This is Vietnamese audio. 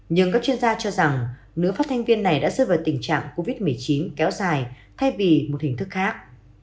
nhưng các chuyên gia cho rằng nữ phát thanh viên này đã rơi vào tình trạng covid một mươi chín kéo dài thay vì một hình thức khác